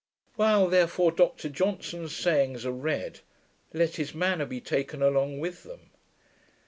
WHILE THEREFORE DOCTOR JOHNSON'S SAYINGS ARE READ, LET HIS MANNER BE TAKEN ALONG WITH THEM.